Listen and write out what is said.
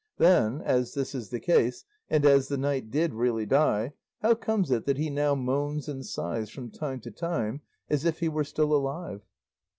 Then, as this is the case, and as the knight did really die, how comes it that he now moans and sighs from time to time, as if he were still alive?